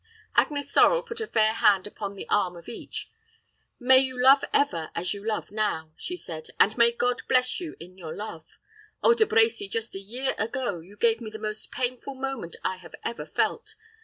Agnes Sorel put a fair hand upon the arm of each. "May you love ever as you love now," she said, "and may God bless you in your love. Oh, De Brecy, just a year ago you gave me the most painful moment I have ever felt.